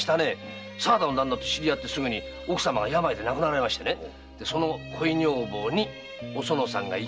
沢田の旦那と知り合ってすぐに奥様が病で亡くなられてその恋女房におそのさんが生き写しなんですよ。